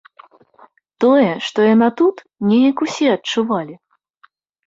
Тое, што яна тут, нейк усе адчувалі.